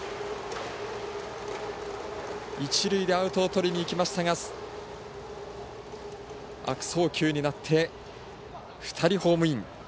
一塁でアウトをとりにいきましたが悪送球になって、２人ホームイン。